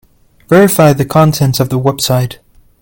Verify the contents of the website.